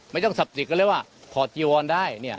ไม่ต้องสับสึกเลยว่าพอร์ตเจียวอนได้เนี่ย